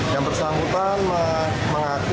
yang bersangkutan mengaku